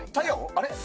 あれ？